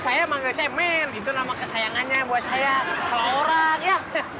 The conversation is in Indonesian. saya manggil saya men itu nama kesayangannya buat saya salah orang ya